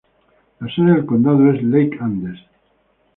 La sede del condado es Lake Andes.